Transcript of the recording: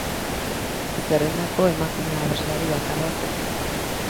Zerrendako emakume abeslari bakarra zen.